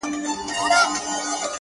ځناور يې له لكيو بېرېدله!.